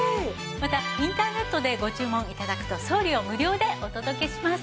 またインターネットでご注文頂くと送料無料でお届けします。